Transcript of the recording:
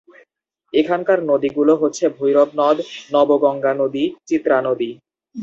এখানকার নদীগুলো হচ্ছে ভৈরব নদ, নবগঙ্গা নদী, চিত্রা নদী।